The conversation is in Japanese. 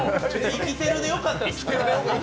生きてるでよかったんですけどね。